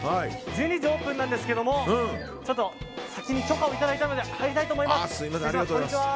１２時オープンなんですけど先に許可をいただいたので入りたいと思います。